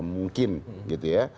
mungkin gitu ya